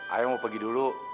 ayo mau pergi dulu